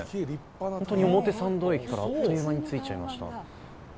本当に表参道駅からあっという間に着いちゃいました。